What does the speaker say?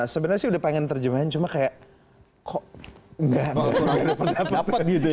sebenarnya sih udah pengen terjemahin cuma kayak kok nggak ada perdapat gitu ya